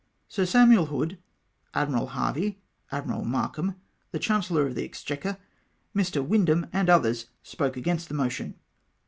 " Sir Samuel Hood, Admiral Harve}^, Admiral Markham, the Chancellor of the Exchequer, Mr. Windham, and others, spoke against the motion.